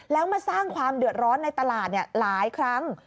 แล้วมาสร้างความเดือดร้อนในตลาดหลายครั้ง